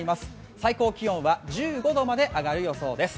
最高気温は１５度まで上がる予想です。